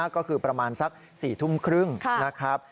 ก็คือประมาณสัก๔ทุ่มครึ่งนะครับ